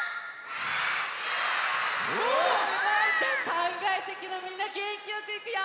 ３がいせきのみんなげんきよくいくよ！